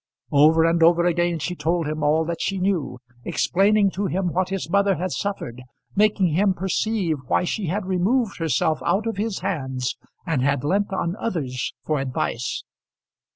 Over and over again she told him all that she knew, explaining to him what his mother had suffered, making him perceive why she had removed herself out of his hands, and had leant on others for advice.